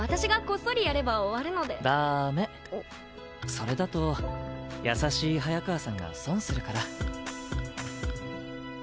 それだと優しい早川さんが損するから。